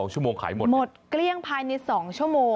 หมดเกลี้ยงภายใน๒ชั่วโมง